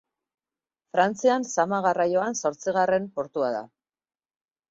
Frantzian zama garraioan zortzigarren portua da.